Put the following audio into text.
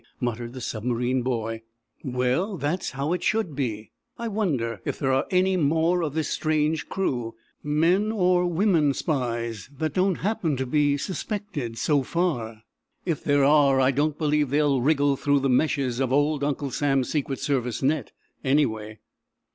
muttered the submarine boy. "Well, that's it should be. I wonder if there are any more of this strange crew men or women spies that don't happen to have suspected so far? If there are, I don't believe they'll wriggle through the meshes of old Uncle Sam's Secret Service net, anyway."